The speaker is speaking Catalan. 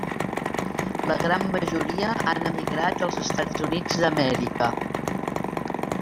La gran majoria han emigrat als Estats Units d'Amèrica.